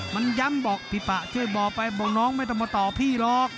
มันย้ำบอกพี่ปะช่วยบอกไปบอกน้องไม่ต้องมาต่อพี่หรอก